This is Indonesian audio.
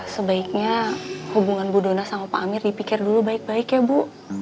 sebaiknya hubungan bu dona sama pak amir dipikir dulu baik baik ya bu